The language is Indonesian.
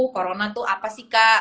corona tuh apa sih kak